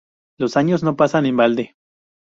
Los años no pasan en balde